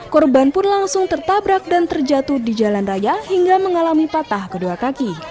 korban pun langsung tertabrak dan terjatuh di jalan raya hingga mengalami patah kedua kaki